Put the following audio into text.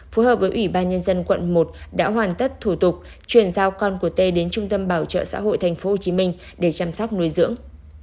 phối hợp với ủy ban nhân dân quận một đã hoàn tất thủ tục chuyển giao con của tê đến trung tâm bảo trợ xã hội tp hcm để chăm sóc nuôi dưỡng